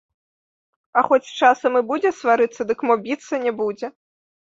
А хоць часам і будзе сварыцца, дык мо біцца не будзе.